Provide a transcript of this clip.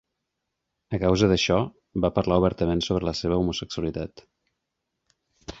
A causa d'això, va parlar obertament sobre la seva homosexualitat.